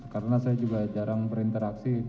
karena saya juga jarang berinteraksi